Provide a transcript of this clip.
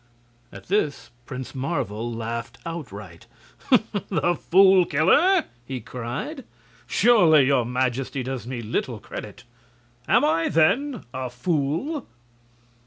At this Prince Marvel laughed outright. "The Fool Killer!" he cried; "surely your Majesty does me little credit. Am I, then, a fool?"